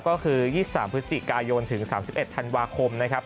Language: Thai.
ก็คือ๒๓พฤศจิกายนถึง๓๑ธันวาคมนะครับ